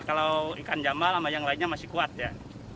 kalau ikan jamal sama yang lainnya masih kuat ya